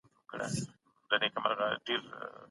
متوجه شي او نورې